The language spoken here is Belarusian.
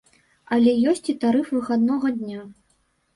Але ёсць і тарыф выхаднога дня.